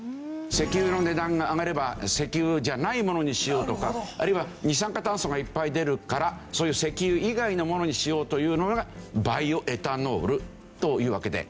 石油の値段が上がれば石油じゃないものにしようとかあるいは二酸化炭素がいっぱい出るからそういう石油以外のものにしようというのがバイオエタノールというわけで。